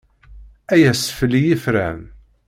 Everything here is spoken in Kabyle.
Ay ass fell-i yefran.